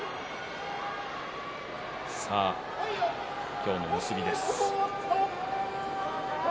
今日の結びです。